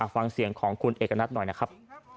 ฟังเสียงของคุณเอกนัทหน่อยนะครับ